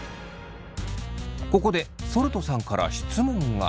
ここでそるとさんから質問が。